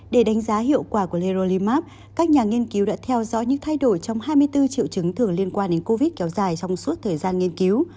để đánh giá hiệu quả của leolymark các nhà nghiên cứu đã theo dõi những thay đổi trong hai mươi bốn triệu chứng thường liên quan đến covid kéo dài trong suốt thời gian nghiên cứu